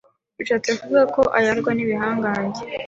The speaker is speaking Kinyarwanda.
bishatse kuvuga ko ayarwa n’ibihangange”